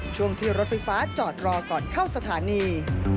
ช่วงที่รถไฟฟ้าจอดรอก่อนเข้าสถานี